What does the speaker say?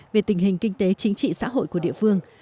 về tình hình kinh tế chính trị xã hội của địa phương